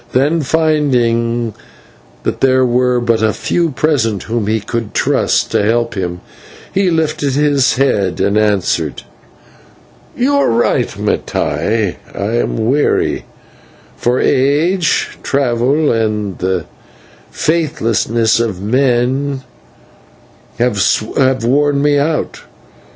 Then, finding that there were but few present whom he could trust to help him, he lifted his head and answered: "You are right, Mattai, I am weary; for age, travel, and the faithlessness of men have worn me out.